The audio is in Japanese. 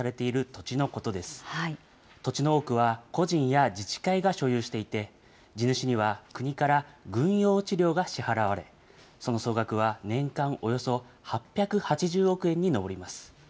土地の多くは、個人や自治会が所有していて、地主には国から軍用地料が支払われ、その総額は年間およそ８８０億円に上ります。